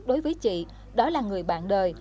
đối với chị đó là người bạn đời